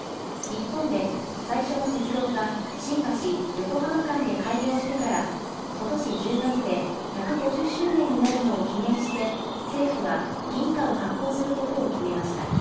日本で最初の鉄道が、新橋・横浜間で開業してから、ことし１０月で１５０周年になるのを記念して、政府は銀貨を発行することを決めました。